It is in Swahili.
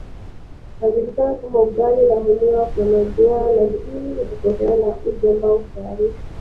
unajulikana kama ugali na huliwa na maziwa na hii inatofautiana na uji ambayo hutayarishwa